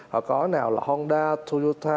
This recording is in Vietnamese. họ có nào là honda toyota